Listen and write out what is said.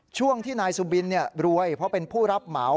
ช่วงที่นายสุบินรวยเพราะเป็นผู้รับเหมา